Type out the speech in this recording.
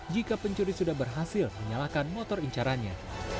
jika pencuri sudah berhasil menyalakan motor incarannya